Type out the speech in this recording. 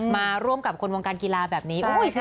มาร่วมกับคนวงการกีฬาแบบนี้